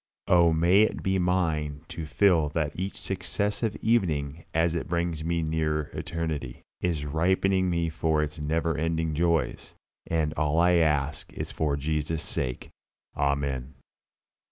Oh, may it be mine to feel that each successive evening as it brings me nearer eternity, is ripening me for its never ending joys. And all I ask is for Jesus' sake. Amen.